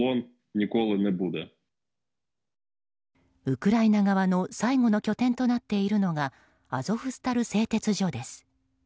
ウクライナ側の最後の拠点となっているのがアゾフスタル製鉄所です。